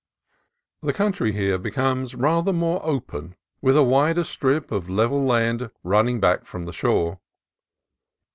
The country here becomes rather more open, with a wider strip of level land running back from the shore.